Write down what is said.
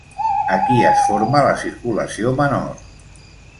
Aquí es forma la circulació menor.